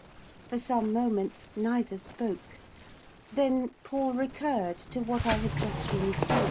For some moments neither spoke. Then Paul recurred to what I had just been saying.